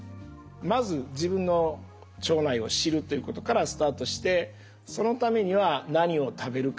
まず自分の腸内を知るということからスタートしてそのためには何を食べるかと。